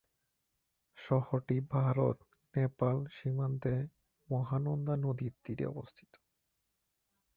শহরটি ভারত- নেপাল সীমান্তে, মহানন্দা নদীর তীরে অবস্থিত।